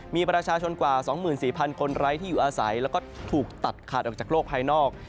มีประชาชนกว่า๒๔๐๐คนไร้ที่อยู่อาศัยแล้วก็ถูกตัดขาดออกจากโลกภายนอก